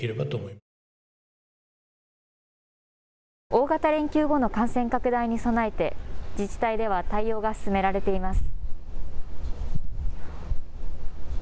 大型連休後の感染拡大に備えて自治体では対応が進められています。